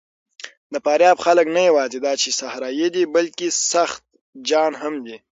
د فاریاب خلک نه یواځې دا چې صحرايي دي، بلکې سخت جان هم دي.